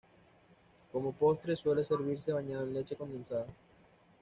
Como postre suele servirse bañado en leche condensada.